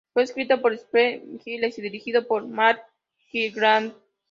Fue escrito por Stephanie Gillis y dirigido por Mark Kirkland.